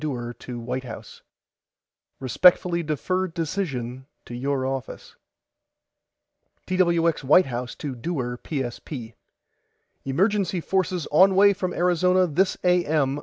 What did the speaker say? DEWAR TO WHITE HOUSE: RESPECTFULLY DEFER DECISION TO YOUR OFFICE TWX WHITE HOUSE TO DEWAR PSP: EMERGENCY FORCES ON WAY FROM ARIZONA THIS A.M.